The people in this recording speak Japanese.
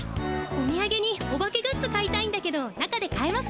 おみやげにおばけグッズ買いたいんだけど中で買えます？